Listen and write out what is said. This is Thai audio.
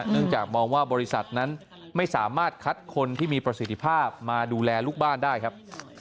จากมองว่าบริษัทนั้นไม่สามารถคัดคนที่มีประสิทธิภาพมาดูแลลูกบ้านได้ครับ